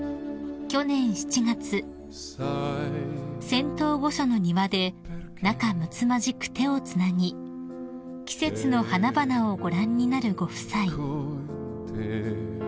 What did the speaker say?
［仙洞御所の庭で仲むつまじく手をつなぎ季節の花々をご覧になるご夫妻］